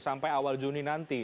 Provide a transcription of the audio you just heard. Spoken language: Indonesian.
sampai awal juni nanti